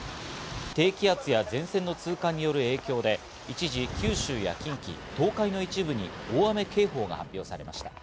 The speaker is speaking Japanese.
低気圧や前線の通過による影響で一時、九州や近畿、東海の一部に大雨警報が発表されました。